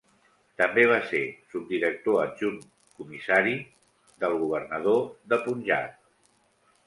També va ser subdirector adjunt comissari del governador de Punjab.